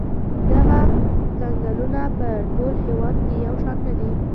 دغه څنګلونه په ټول هېواد کې یو شان نه دي.